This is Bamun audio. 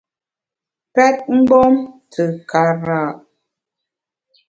Pèt mgbom te kara’ !